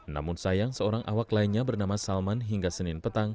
namun sayang seorang awak lainnya bernama salman hingga senin petang